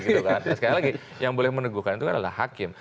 sekali lagi yang boleh meneguhkan itu kan adalah hakim